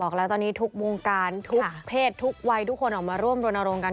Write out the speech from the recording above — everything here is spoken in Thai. แล้วตอนนี้ทุกวงการทุกเพศทุกวัยทุกคนออกมาร่วมรณรงค์กัน